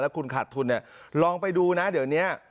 แล้วคุณขาดทุนลองไปดูนะเดี๋ยวนี้